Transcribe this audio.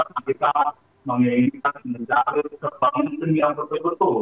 dan kita menginjalkan mencari sebuah penyelidikan yang betul betul